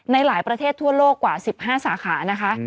ในหลายประเทศทั่วโลกกว่า๑๕สาขานะคะ